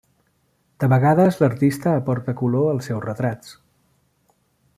De vegades l'artista aporta color als seus retrats.